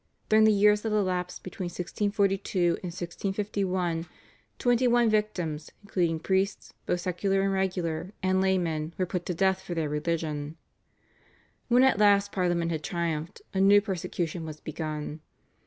During the years that elapsed between 1642 and 1651, twenty one victims, including priests, both secular and regular, and laymen, were put to death for their religion. When at last Parliament had triumphed a new persecution was begun.